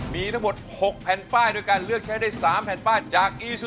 มีทั้งหมด๖แป้นป้ายโดยการเลือกใช้ได้๓แป้นป้ายจาก